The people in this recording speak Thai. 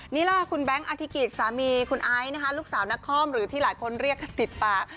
นี่ล่ะคุณแบงค์อธิกิจสามีคุณไอซ์นะคะลูกสาวนักคอมหรือที่หลายคนเรียกกันติดปาก